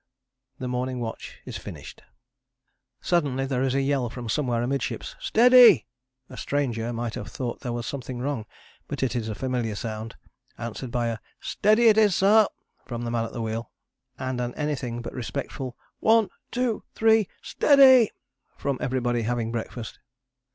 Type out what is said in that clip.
The morning watch is finished. Suddenly there is a yell from somewhere amidships "STEADY" a stranger might have thought there was something wrong, but it is a familiar sound, answered by a "STEADY IT IS, Sir," from the man at the wheel, and an anything but respectful, "One two three STEADY," from everybody having breakfast.